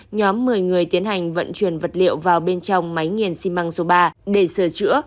nhóm một mươi người tiến hành vận chuyển vật liệu vào bên trong máy nghiền xi măng số ba để sửa chữa